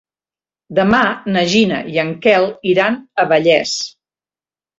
Demà na Gina i en Quel iran a Vallés.